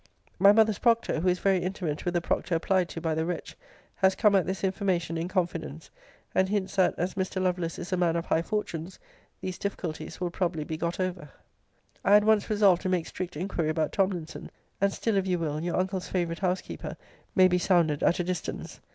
My mother's proctor, who is very intimate with the proctor applied to by the wretch, has come at this information in confidence; and hints, that, as Mr. Lovelace is a man of high fortunes, these difficulties will probably be got over. * See Letter XX. of this volume. [I had once resolved to make strict inquiry about Tomlinson; and still, if you will, your uncle's favourite housekeeper may be sounded at a distance.